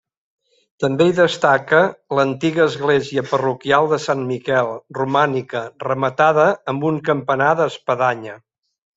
També hi destaca l'antiga església parroquial de Sant Miquel, romànica, rematada amb un campanar d'espadanya.